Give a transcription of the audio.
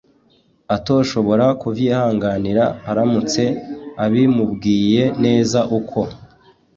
atoshobora kuvyihanganira aramutse abimubwiye neza uko